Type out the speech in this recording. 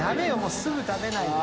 すぐ食べないと。